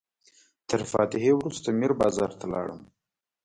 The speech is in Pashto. تر فاتحې وروسته میر بازار ته لاړم.